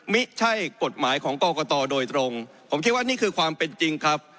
ไม่ใช่กฎหมายของกรกตโดยตรงผมคิดว่านี่คือความเป็นจริงครับ